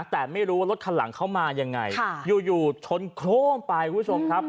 แต่ไม่รู้ว่ารถคันหลังเข้ามายังไงอยู่ชนโครมไปคุณผู้ชมครับ